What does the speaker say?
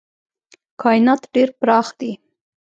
کاینات ډېر پراخ دي.